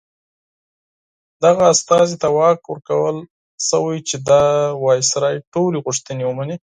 دغه استازي ته واک ورکړل شوی چې د وایسرا ټولې غوښتنې ومني.